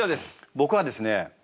僕はですね